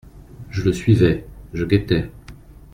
Je le suivais, je guettais.